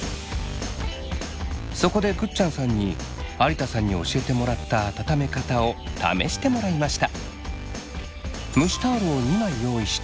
そこでぐっちゃんさんに有田さんに教えてもらった温め方を試してもらいました。